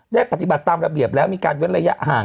ปฏิบัติตามระเบียบแล้วมีการเว้นระยะห่าง